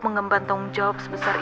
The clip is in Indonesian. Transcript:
menggemban tanggung jawab sebesar ini